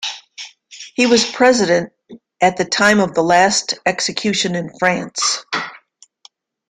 He was President at the time of the last execution in France.